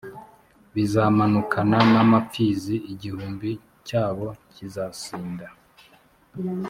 bizamanukana n amapfizi igihugu cyabo kizasinda